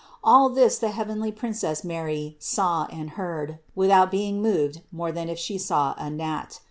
All this the heavenly Princess Mary saw and heard, without being moved more than if She saw a gnat.